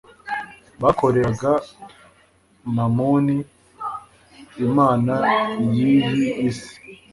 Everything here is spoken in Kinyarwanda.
yakoreraga mamuni, imana y'iyi isi